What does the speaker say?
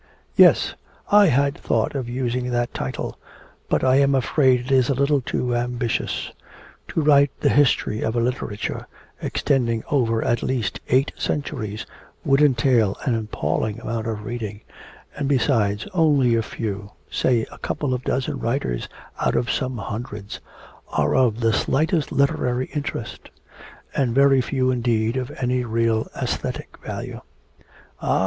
"Yes, I had thought of using that title, but I am afraid it is a little too ambitious. To write the history of a literature extending over at least eight centuries would entail an appalling amount of reading; and besides, only a few, say a couple of dozen writers out of some hundreds, are of the slightest literary interest, and very few indeed of any real aesthetic value. "Ah!"